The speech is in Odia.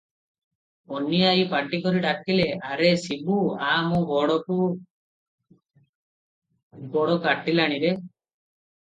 ଅନୀ ଆଈ ପାଟି କରି ଡାକିଲେ, "ଆରେ ଶିବୁ, ଆ, ମୋ ଗୋଡ଼କୁ ବଡ଼ କାଟିଲାଣି ରେ!"